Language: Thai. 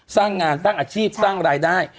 สร้างงานสร้างอาชีพสร้างรายได้